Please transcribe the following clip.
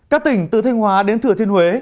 các tỉnh từ thanh hóa đến thừa thiên huế